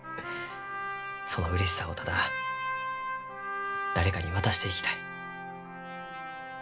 そのうれしさをただ誰かに渡していきたい。